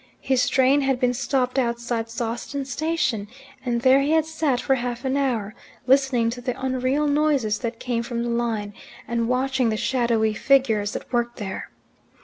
His train had been stopped outside Sawston Station, and there he had sat for half an hour, listening to the unreal noises that came from the line, and watching the shadowy figures that worked there.